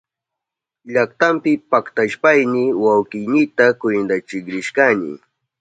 Llaktanpi paktashpayni wawkiynita kwintachik rishkani.